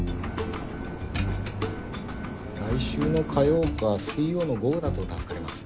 来週の火曜か水曜の午後だと助かります。